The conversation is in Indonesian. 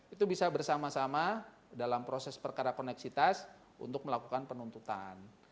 itu bisa bersama sama dalam proses perkara koneksitas untuk melakukan penuntutan